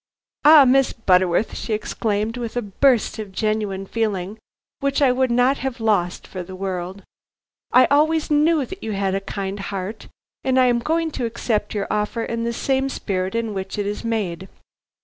"Ah, Miss Butterworth," she exclaimed, with a burst of genuine feeling which I would not have lost for the world, "I always knew that you had a kind heart; and I am going to accept your offer in the same spirit in which it is made."